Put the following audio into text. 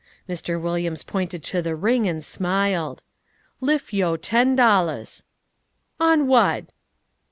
Mr. Williams pointed to the ring and smiled. "Liff yo' ten dollahs." "On whad?"